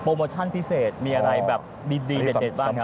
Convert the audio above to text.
โมชั่นพิเศษมีอะไรแบบดีเด็ดบ้างครับ